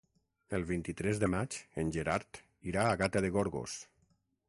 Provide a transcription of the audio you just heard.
El vint-i-tres de maig en Gerard irà a Gata de Gorgos.